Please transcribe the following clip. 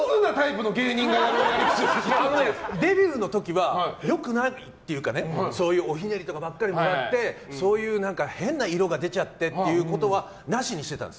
デビューの時は良くないというかそういうおひねりとかばっかりもらってそういう変な色が出ちゃってという話にしていたんです。